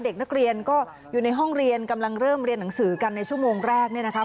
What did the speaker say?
เด็กนักเรียนก็อยู่ในห้องเรียนกำลังเริ่มเรียนหนังสือกันในชั่วโมงแรกเนี่ยนะคะ